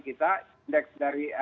kita indeks dari